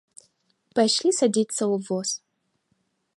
Пайшлі садзіцца ў воз.